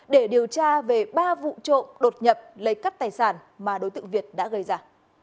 để điều tra về ba vụ trộm đột nhập lấy cắp tài sản mà đối tượng việt đã gây ra